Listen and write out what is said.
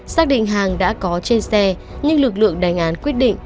xác định hàng đã có trên xe nhưng lực lượng đánh án quyết định